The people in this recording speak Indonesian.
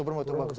oh bermutu bermutu